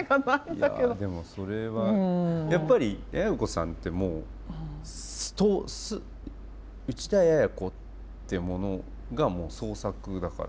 いやでもそれはやっぱり也哉子さんってもう内田也哉子ってものがもう創作だから。